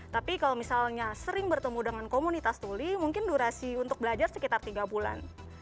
tapi kalau misalnya sering bertemu dengan komunitas tuli mungkin durasi untuk belajar sekitar tiga bulan